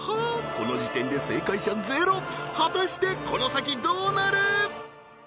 この時点で正解者ゼロ果たしてこの先どうなる？